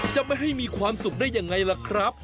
จะไม่ให้มีความสุขได้ยังไงล่ะครับ